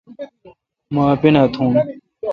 مو اپینا تھون۔